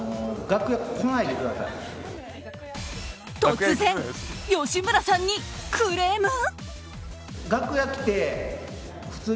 突然、吉村さんにクレーム？